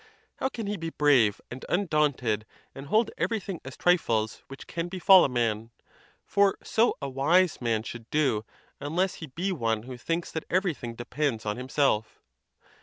How can he be brave and undaunted, and hold everything as trifles which can befalla man? for so a wise man should do, unless he be one who thinks that everything depends on himself.